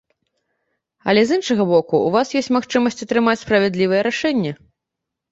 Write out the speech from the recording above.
Але з іншага боку, у вас ёсць магчымасць атрымаць справядлівае рашэнне.